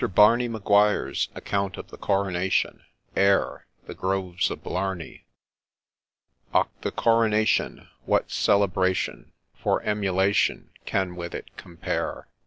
BARNEY MAGUIRE'S ACCOUNT OF THE CORONATION AIR. —' The Groves of Blarney.' OCR ! the Coronation ! what celebration For emulation can with it compare